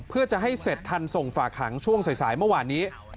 เพื่อจะให้เสร็จทันส่งฝากหางช่วงสายเมื่อวานนี้